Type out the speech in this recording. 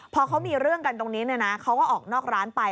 พอเขามีเรื่องกันตรงนี้เขาก็ออกนอกร้านไป